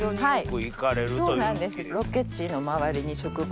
そうなんです。